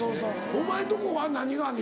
お前のとこは何があんの？